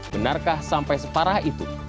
benarkah sampai separah itu